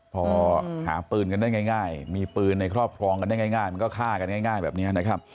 พอหาปืนก็ได้ง่ายมีปือนายครอบครองก็ได้ง่ายก็ฆ่ากันด้วย